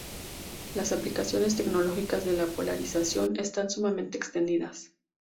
Las aplicaciones tecnológicas de la polarización están sumamente extendidas.